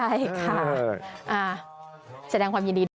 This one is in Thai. อ่าแสดงความยินดี